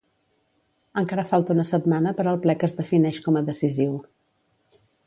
Encara falta una setmana per al ple que es defineix com a decisiu